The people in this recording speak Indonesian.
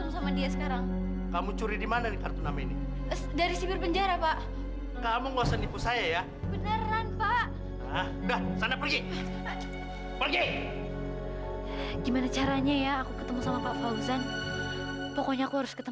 sampai jumpa di video selanjutnya